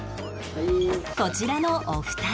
こちらのお二人